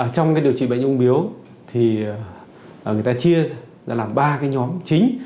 trong điều trị bệnh ung biếu người ta chia ra làm ba nhóm chính